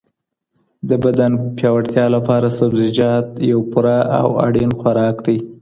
د بدن پیاوړتیا لپاره سبزیجات یو پوره او اړین خوراک دی.